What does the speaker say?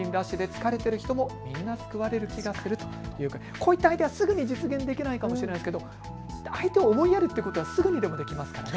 こういったアイデア、すぐに実現できないかもしれませんが相手を思いやることはすぐにでもできますからね。